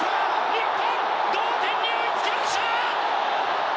日本、同点に追いつきました！